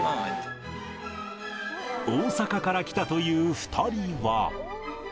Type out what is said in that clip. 大阪から来たという２人は。